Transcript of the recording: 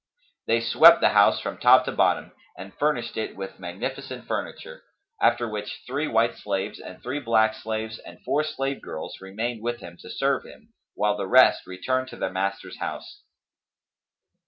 They swept the house from top to bottom and furnished it with magnificent furniture; after which three white slaves and three blacks and four slave girls remained with him, to serve him, while the rest returned to their master's house.